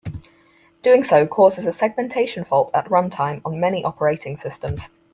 Doing so causes a segmentation fault at runtime on many operating systems.